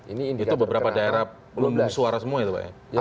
itu beberapa daerah pelundang suara semua ya pak ya